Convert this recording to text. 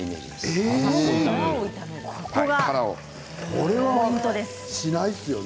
これはしないですよね。